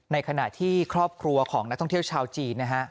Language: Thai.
ในขณะที่ครอบครัวของนักท่องเที่ยวชาวจีนนะฮะ